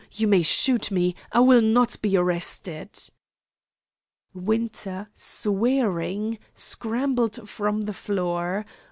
You may shoot me! I will not be arrested!" Winter, swearing, scrambled from the floor.